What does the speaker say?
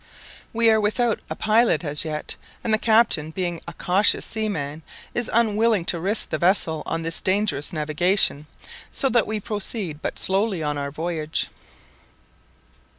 We are without a pilot as yet, and the captain being a cautious seaman is unwilling to risk the vessel on this dangerous navigation; so that we proceed but slowly on our voyage.